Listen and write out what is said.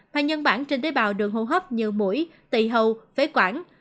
và nhân bản trên tế bào đường hô hấp như mũi tị hầu phế quản